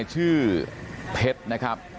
ชื่อเพชรนะครับ